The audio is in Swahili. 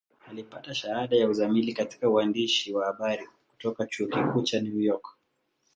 Alipata shahada ya uzamili katika uandishi wa habari kutoka Chuo Kikuu cha New York.